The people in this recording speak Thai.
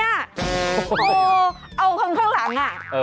โอ้โฮเอาคำข้างหลัง